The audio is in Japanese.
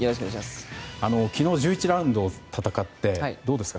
昨日、１１ラウンドを戦ってどうですか